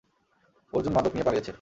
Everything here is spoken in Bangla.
অর্জুন মাদক নিয়ে পালিয়েছে।